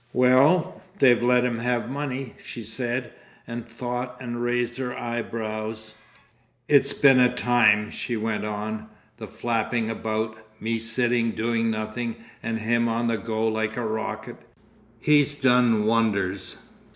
"Well, they've let him have money," she said, and thought and raised her eyebrows. "It's been a time," she went on. "The flapping about! Me sitting doing nothing and him on the go like a rocket. He's done wonders.